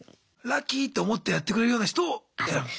ラッキーって思ってやってくれるような人を選ぶ。